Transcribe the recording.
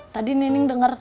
tadi nining denger